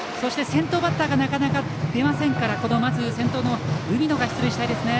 先頭バッターがなかなか出ませんからまず先頭の海野が出塁したいですね。